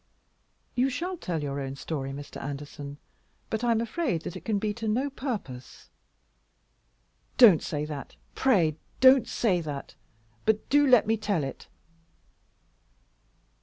"You shall tell your own story, Mr. Anderson; but I am afraid that it can be to no purpose." "Don't say that, pray, don't say that, but do let me tell it."